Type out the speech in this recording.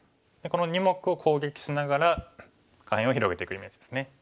この２目を攻撃しながら下辺を広げていくイメージですね。